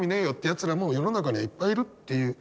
やつらも世の中にはいっぱいいるっていう。